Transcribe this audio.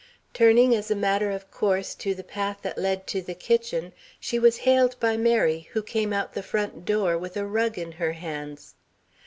Turning as a matter of course to the path that led to the kitchen, she was hailed by Mary, who came out the front door with a rug in her hands.